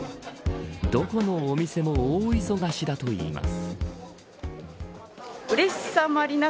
どこのお店も大忙しだといいます。